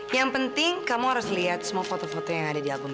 yang penting kamu harus lihat semua foto foto yang ada di akun